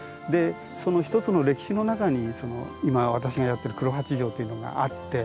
その一つの歴史の中に今私がやってる黒八丈っていうのがあって。